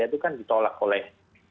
itu kan ditolak oleh